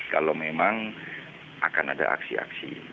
kalau memang akan ada aksi aksi